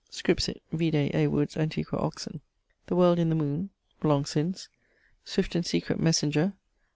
Scripsit (vide A. Wood's Antiq. Oxon.): The World in the Moone, ... (long since). Swift and Secret Messenger.